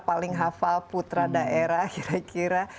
paling hafal putra daerah kira kira